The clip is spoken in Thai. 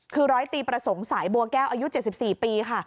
คือร้อยตีประสงค์สายบัวแก้วอายุ๗๔ปีค่ะ